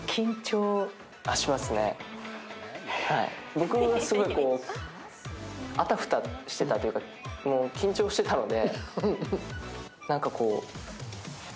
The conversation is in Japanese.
僕はすごいあたふたしてたというか、緊張してたので。